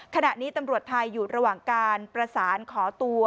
ขณะนี้ตำรวจไทยอยู่ระหว่างการประสานขอตัว